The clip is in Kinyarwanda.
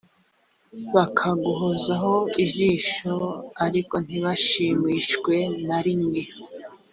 bakaguhozaho ijisho ariko ntibashimishwe na rimwe